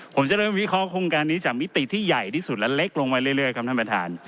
ผมจะเริ่มวิเคราะหงการนี้จากมิติที่ใหญ่ที่สุดและเล็กลงไปเรื่อยครับท่านประธาน